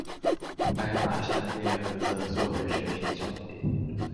應該把下列何者做為學習重點？